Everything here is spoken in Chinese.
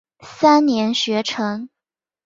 三年学成。